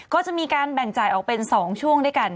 ก็จะมีการแบ่งจ่ายออกเป็น๒ช่วงด้วยกัน